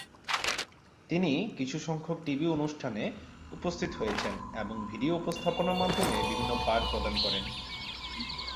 তিনি কিছু সংখ্যক টিভি অনুষ্ঠানে উপস্থিত হয়েছেন এবং ভিডিও উপস্থাপনার মাধ্যমে বিভিন্ন পাঠ প্রদান করেন।